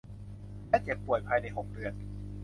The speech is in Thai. และเจ็บป่วยภายใน หก เดือน